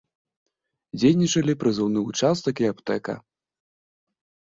Дзейнічалі прызыўны ўчастак і аптэка.